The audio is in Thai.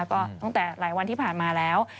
ก็ตั้งแต่หลายวันที่ผ่านมาแล้ว